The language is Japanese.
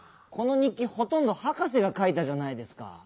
この日記ほとんどハカセがかいたじゃないですか。